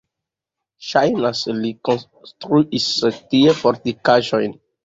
Ŝajnas, li konstruis tie fortikaĵon.